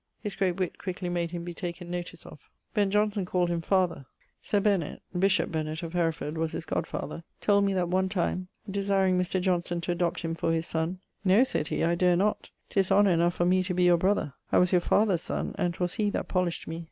His great witt quickly made him be taken notice of. Ben: Johnson called him father. Sir Benet (bishop Benet of Hereford was his godfather) told me that one time desiring Mr. Johnson to adopt him for his sonne, 'No,' said he, 'I dare not; 'tis honour enough for me to be your brother: I was your father's sonne, and 'twas he that polished me.'